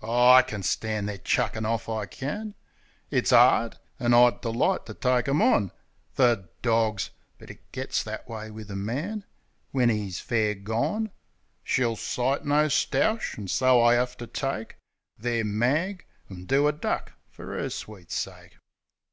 Aw, I can stand their chuckin' off, I can. It's 'ard; an' I'd delight to take 'em on. The dawgs! But it gets that way wiv a man When 'e's fair gone. She'll sight no stoush ; an' so I 'ave to take Their mag, an' do a duck fer 'er sweet sake.